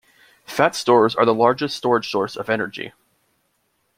Fat stores are the largest storage source of energy.